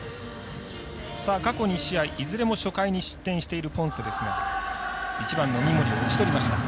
過去２試合いずれも初回に失点しているポンセですが１番の三森を打ち取りました。